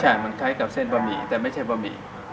ใช่มันคล้ายกับเส้นบะหมี่แต่ไม่ใช่บะหมี่